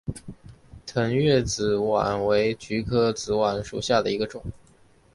腾越紫菀为菊科紫菀属下的一个种。